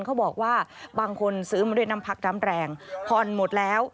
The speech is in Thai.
เขาบอกว่าบางคนซื้อมาด้วยน้ำพักน้ำแรงผ่อนหมดแล้ว